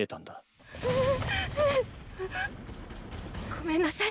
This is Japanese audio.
ごめんなさい！